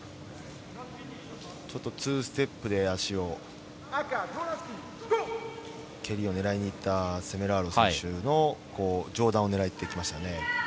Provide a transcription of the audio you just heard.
ツーステップで足を、蹴りを狙いに行ったセメラーロ選手の上段を狙っていきましたね。